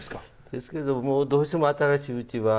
ですけどもどうしても新しいうちは。